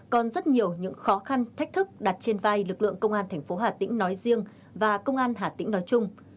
còn rất nhiều những khó khăn thách thức đặt trên vai lực lượng công an thành phố hà tĩnh nói riêng và công an hà tĩnh nói chung